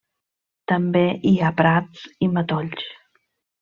També hi ha prats i matolls.